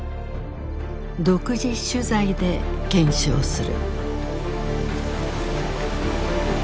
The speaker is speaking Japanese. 独自取材で検証する。